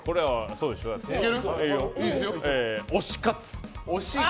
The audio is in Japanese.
推し活。